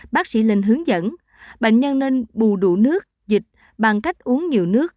bác sĩ linh hướng dẫn bệnh nhân nên bù đủ nước dịch bằng cách uống nhiều nước